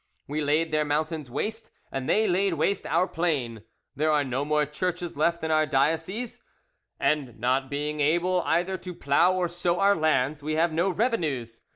We laid their mountains waste, and they laid waste our plain. There are no more churches left in our dioceses, and not being able either to plough or sow our lands, we have no revenues.